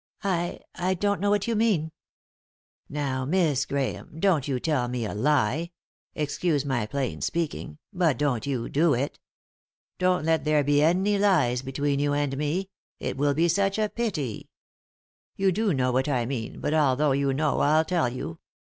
"I — I don't know what you mean." "Now, Miss Grahame, don't you tell me a lie — i» 3i 9 iii^d by Google THE INTERRUPTED KISS excuse my plain speaking— but don't you do it. Don't let there be any lies between you and me — it will be such a pity. You do know what I mean, but although you know I'll tell you.